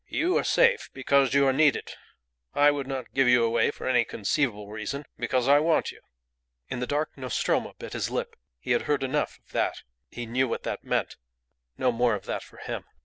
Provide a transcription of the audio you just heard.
You are safe because you are needed. I would not give you away for any conceivable reason, because I want you." In the dark Nostromo bit his lip. He had heard enough of that. He knew what that meant. No more of that for him.